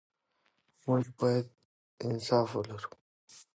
موږ باید انصاف ولرو.